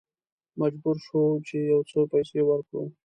مجبور شوو چې یو څه پیسې ورکړو.